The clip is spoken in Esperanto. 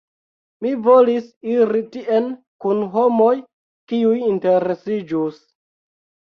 Mi volis iri tien kun homoj, kiuj interesiĝus.